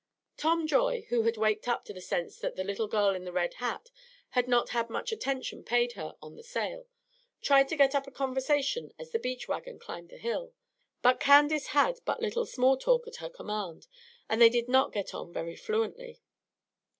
Tom Joy, who had waked up to the sense that "the little girl in the red hat" had not had much attention paid her on the sail, tried to get up a conversation as the beach wagon climbed the hill; but Candace had but little small talk at her command, and they did not get on very fluently.